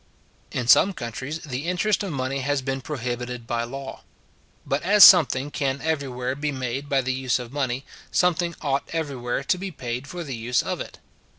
In some countries the interest of money has been prohibited by law. But as something can everywhere be made by the use of money, something ought everywhere to be paid for the use of it.